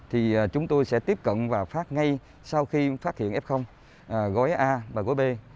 thì chúng tôi sẽ tiếp cận và phát ngay sau khi phát hiện f gói a và gói b